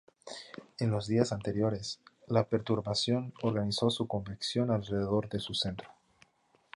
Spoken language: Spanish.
En los días anteriores, la perturbación organizó su convección alrededor de su centro.